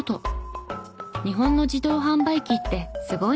日本の自動販売機ってすごいね！